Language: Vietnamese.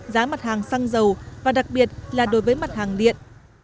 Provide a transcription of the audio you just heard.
giá mặt hàng xăng dầu và đặc biệt là đối với mặt hàng điện